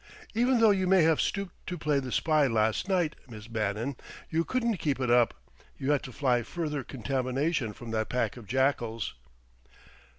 Even though you may have stooped to play the spy last night, Miss Bannon you couldn't keep it up. You had to fly further contamination from that pack of jackals."